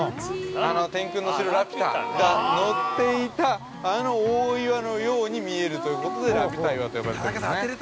「天空の城ラピュタ」が乗っていたあの大岩のように見えるということでラピュタ岩と呼ばれてるんですね。